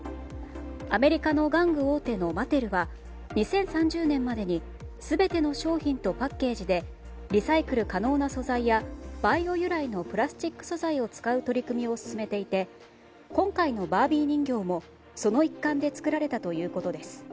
アメリカの玩具大手のマテルは２０３０年までに全ての商品とパッケージでリサイクル可能な素材やバイオ由来のプラスチック素材を使う取り組みを進めていて今回のバービー人形もその一環で作られたということです。